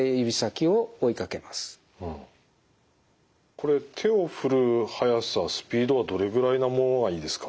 これ手を振る速さスピードはどれぐらいなものがいいですか？